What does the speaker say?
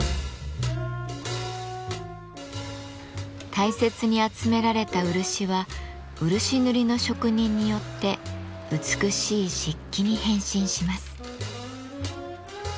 大切に集められた漆は漆塗りの職人によって美しい漆器に変身します。